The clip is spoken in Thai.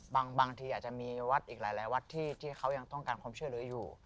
บางทีอาจจะมีหลายวัดที่เขายังต้องการคนนี้นะคะ